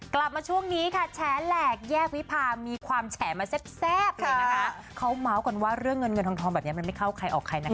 กลับมาช่วงนี้ค่ะแฉแหลกแยกวิพามีความแฉมาแซ่บเลยนะคะเขาเมาส์กันว่าเรื่องเงินเงินทองทองแบบนี้มันไม่เข้าใครออกใครนะคะ